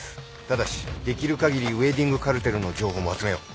ただしできる限りウエディングカルテルの情報も集めよう。